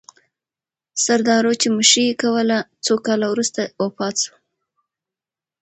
سردارو چې مشري یې کوله، څو کاله وروسته وفات سوه.